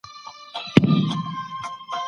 زه له نااشنا خلکو ځان ساتم.